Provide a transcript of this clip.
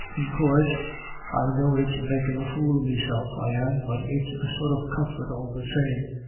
In coorse I know it's makin' a fool of meself I am, but it's a sort o' comfort all the same.